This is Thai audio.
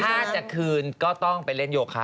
ถ้าจะคืนก็ต้องไปเล่นโยคะ